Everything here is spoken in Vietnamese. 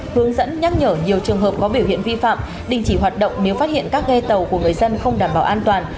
hướng dẫn nhắc nhở nhiều trường hợp có biểu hiện vi phạm đình chỉ hoạt động nếu phát hiện các ghe tàu của người dân không đảm bảo an toàn